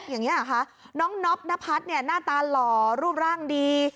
อย่างนี้เหรอคะน้องน็อปนพัฒน์เนี่ยหน้าตาหล่อรูปร่างดี